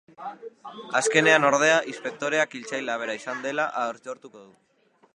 Azkenean ordea inspektoreak hiltzailea bera izan dela aitortuko du.